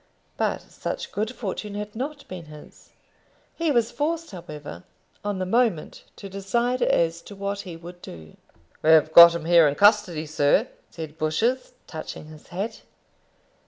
But such good fortune had not been his. He was forced, however, on the moment to decide as to what he would do. "We've got him here in custody, sir," said Bushers, touching his hat.